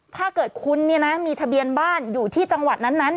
ถ้าเกิดคุณมีทะเบียนบ้านอยู่ที่จังหวัดนั้น